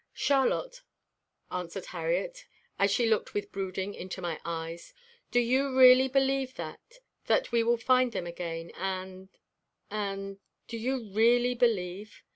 "Charlotte," answered Harriet, as she looked with brooding into my eyes, "do you really believe that that we will find them again and and do you really believe?"